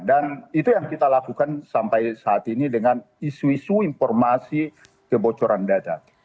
dan itu yang kita lakukan sampai saat ini dengan isu isu informasi kebocoran data